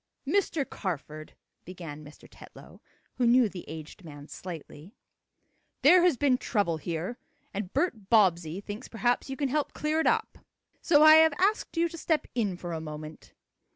"Mr. Carford," began Mr. Tetlow, who knew the aged man slightly, "there has been trouble here, and Bert Bobbsey thinks perhaps you can help clear it up. So I have asked you to step in for a moment."